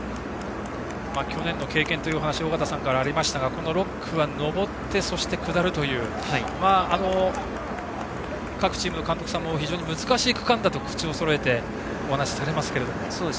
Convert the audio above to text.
去年の経験という話が尾方さんからありましたがこの６区は、上って下るという各チームの監督さんも難しい区間だと口をそろえてお話しされますけれども。